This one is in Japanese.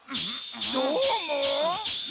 どーも？